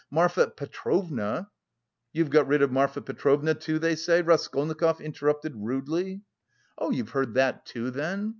Marfa Petrovna..." "You have got rid of Marfa Petrovna, too, so they say?" Raskolnikov interrupted rudely. "Oh, you've heard that, too, then?